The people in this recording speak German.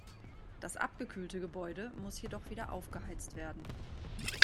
Das abgekühlte Gebäude muss jedoch wieder aufgeheizt werden.